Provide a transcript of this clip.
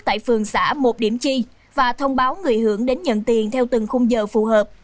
bằng xã một điểm chi và thông báo người hưởng đến nhận tiền theo từng khung giờ phù hợp